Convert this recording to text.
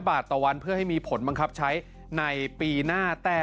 บาทต่อวันเพื่อให้มีผลบังคับใช้ในปีหน้าแต่